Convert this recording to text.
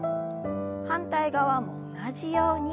反対側も同じように。